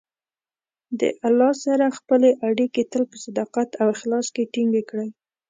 د الله سره خپلې اړیکې تل په صداقت او اخلاص کې ټینګې کړئ.